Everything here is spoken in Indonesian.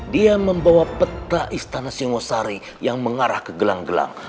dia membawa peta istana singosari yang mengarah ke gelang gelang